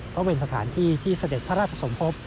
เพราะเป็นสถานที่ที่เสด็จพระราชสมภพ